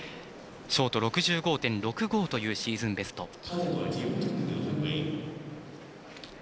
ショート６５．６５というシーズンベスト。